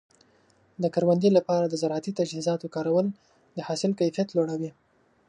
د کروندې لپاره د زراعتي تجهیزاتو کارول د حاصل کیفیت لوړوي.